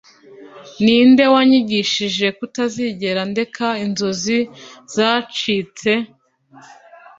ninde wanyigishije kutazigera ndeka inzozi zacitse